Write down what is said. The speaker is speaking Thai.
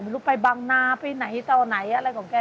ลูกไปบางนาไปไหนต่อไหนอะไรของแก